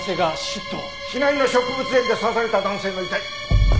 市内の植物園で刺された男性の遺体。